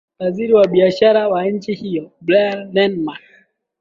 waziri wa biashara wa nchi hiyo brian lenham